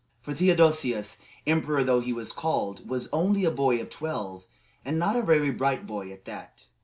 For Theodosius emperor though he was called, was only a boy of twelve, and not a very bright boy at that.